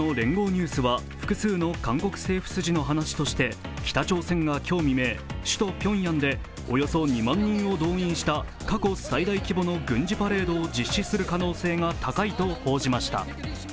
ニュースは複数の韓国政府筋の話として北朝鮮が今日未明首都ピョンヤンでおよそ２万人を動員した過去最大規模の軍事パレードを実施する可能性が高いと報じました。